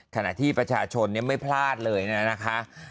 ขณะที่ประชาชนไม่พลาดเลยนะคะ